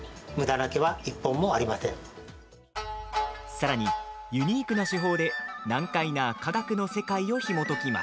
さらに、ユニークな手法で難解な科学の世界をひもときます。